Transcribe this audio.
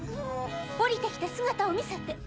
下りてきて姿を見せて！